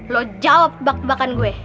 lo jawab tebak tebakan gue